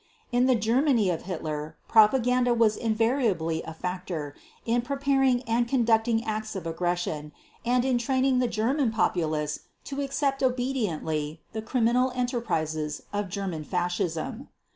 In the Germany of Hitler, propaganda was invariably a factor in preparing and conducting acts of aggression and in training the German populace to accept obediently the criminal enterprises of German fascism.